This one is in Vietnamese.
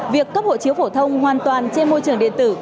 việc cấp hộ chiếu phổ thông hoàn toàn trên môi trường điện tử